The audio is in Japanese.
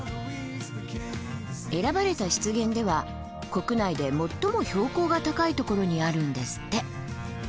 選ばれた湿原では国内で最も標高が高いところにあるんですって。